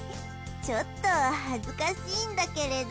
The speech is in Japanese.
ちょっと恥ずかしいんだけれど。